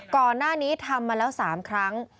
ก่อนหน้านี้ทำมาแล้ว๓ครั้ง